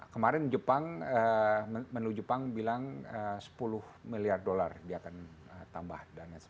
kemarin jepang menuju jepang bilang sepuluh miliar dolar dia akan tambah